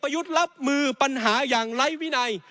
ยุทธ์รับมือปัญหาอย่างไร้วินัย